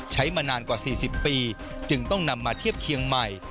มานานกว่า๔๐ปีจึงต้องนำมาเทียบเคียงใหม่